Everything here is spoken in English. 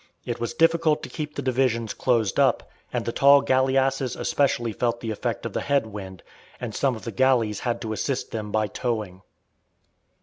It was difficult to keep the divisions closed up, and the tall galleasses especially felt the effect of the head wind, and some of the galleys had to assist them by towing.